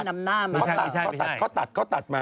ไม่ใช่เขาตัดมา